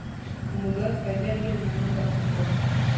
Umugore atwara igare rye mumuhanda kugwa